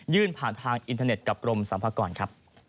ยื่นผ่านทางอินเทอร์เน็ตกับกรมสัมภาคกร